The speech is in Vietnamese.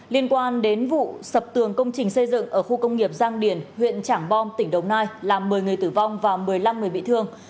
liên quan đến vụ sập tường công trình xây dựng ở khu công nghiệp giang điển huyện trảng bom tỉnh đồng nai làm một mươi người tử vong và một mươi năm người bị thương